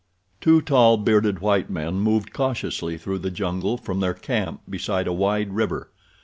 Two tall, bearded white men moved cautiously through the jungle from their camp beside a wide river.